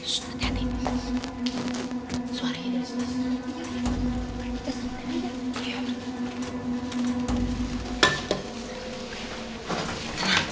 shhh hati hati suaranya dari situ